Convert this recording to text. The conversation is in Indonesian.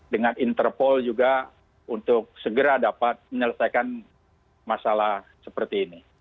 dengan interpol juga untuk segera dapat menyelesaikan masalah seperti ini